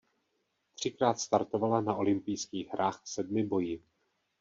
Třikrát startovala na olympijských hrách v sedmiboji.